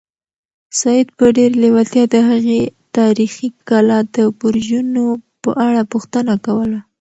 سعید په ډېرې لېوالتیا د هغې تاریخي کلا د برجونو په اړه پوښتنه کوله.